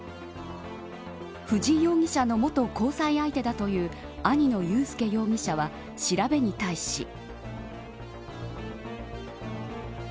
藤井容疑者の元交際相手だという兄の優介容疑者は調べに対し。